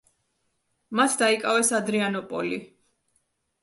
მათ დაიკავეს ადრიანოპოლი.